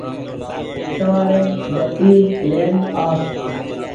سوآري بتي لين آس ۔